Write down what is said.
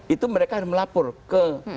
itu mereka melapor ke